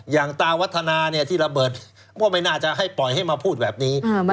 อย่างตาวัฒนาที่ระเบิดก็ไม่น่าจะให้ปล่อยให้มาพูดแบบนี้